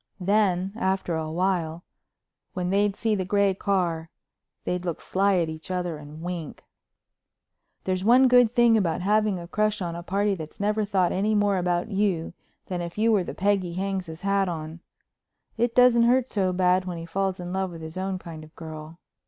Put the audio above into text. Then, after a while, when they'd see the gray car, they'd look sly at each other and wink. There's one good thing about having a crush on a party that's never thought any more about you than if you were the peg he hangs his hat on—it doesn't hurt so bad when he falls in love with his own kind of girl.